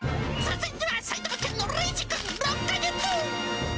続いては埼玉県のれいじくん６か月。